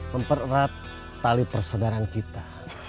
mempererat tali persedaran kita